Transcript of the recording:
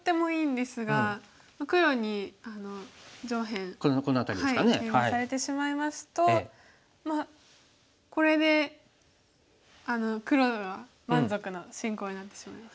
ケイマされてしまいますとこれで黒が満足の進行になってしまいます。